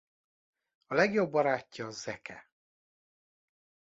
A legjobb barátja Zeke.